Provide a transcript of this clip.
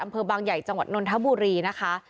อำเภอบางใหญ่จังหวัดนนทบุรีนะคะ